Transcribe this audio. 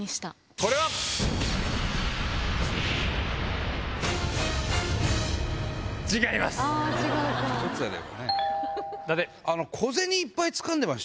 これは？違います。